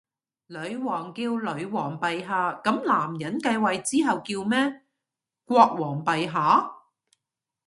女王叫女皇陛下，噉男人繼位之後叫咩？國王陛下？